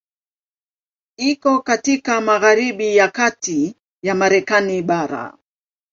Iko katika magharibi ya kati ya Marekani bara.